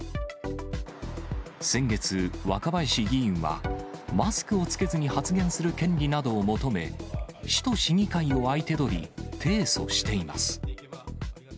先月、若林議員はマスクを着けずに発言する権利などを求め、市と市議会を相手取り、提訴しています。